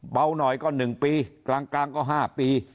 เบาหน่อยก็๑ปีกลางก็๕ปี